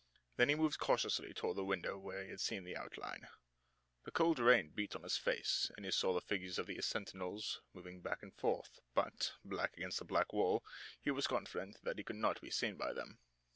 Then he moved cautiously toward the window where he had seen the outline. The cold rain beat on his face and he saw the figures of the sentinels moving back and forth, but, black against the black wall, he was confident that he could not be seen by them.